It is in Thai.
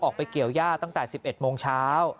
ออกไปเกี่ยวย่าตั้งแต่๑๑โมงเช้า